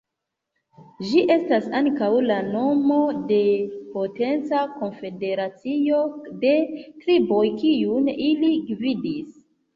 Ĝi estas ankaŭ la nomo de potenca konfederacio de triboj, kiun ili gvidis.